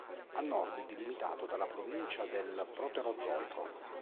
A nord è delimitato dalla provincia del Proterozoico.